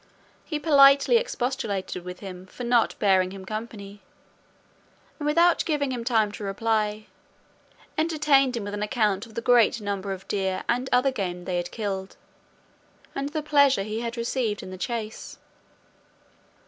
He politely expostulated with him for not bearing him company, and without giving him time to reply, entertained him with an account of the great number of deer and other game they had killed, and the pleasure he had received in the chase.